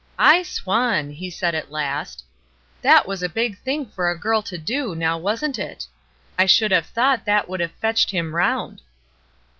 ''I swan!" he said at last. "That was a big thing for a girl to do, now, wasn't it? I should have thought that would have fetched him round."